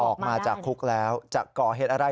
ออกมาจากคุกแล้วจะก่อเหตุอะไร